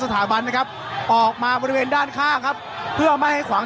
สถาบันนะครับออกมาบริเวณด้านข้างครับเพื่อไม่ให้ขวาง